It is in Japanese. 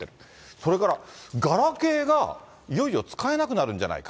それから、ガラケーがいよいよ使えなくなるんじゃないか。